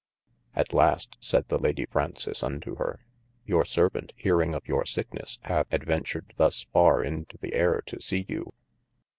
At last sayd the Lady Fraunces unto hir, your servaunt hearing of your sick nesse, hath adventured thus far into the ayre to see you.